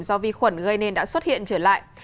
do vi khuẩn gây nên đã xuất hiện trở lại